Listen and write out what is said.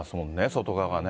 外側がね。